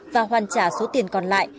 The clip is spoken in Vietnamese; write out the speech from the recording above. và hoàn trả số tiền còn lại